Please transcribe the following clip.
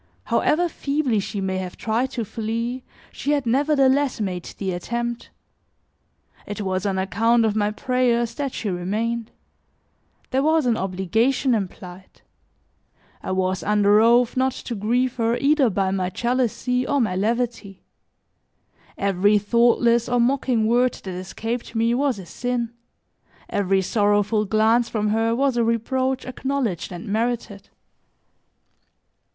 However feebly she may have tried to flee, she had nevertheless made the attempt. It was on account of my prayers that she remained; there was an obligation implied. I was under oath not to grieve her either by my jealousy or my levity; every thoughtless or mocking word that escaped me was a sin, every sorrowful glance from her was a reproach acknowledged and merited.